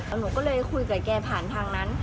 หนูก็เลยคุยกับแกผ่านทางนั้น